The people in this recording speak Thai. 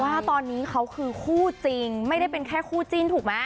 ว่าตอนนี้เขาคือคู่จริงไม่ได้เป็นแค่คู่จิ้นถูกไหม